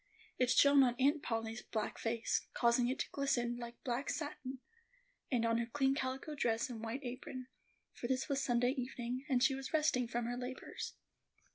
It shone on Aunt Polly's black face, causing it to glisten like black satin, and on her clean calico dress and white apron; for this was Sunday evening, and she was resting from her labors.